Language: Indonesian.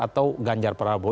atau ganjar prabowo